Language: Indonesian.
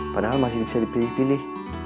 padahal masih bisa dipilih pilih